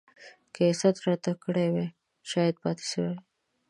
که يې ست راته کړی وای شايد پاته سوی وای.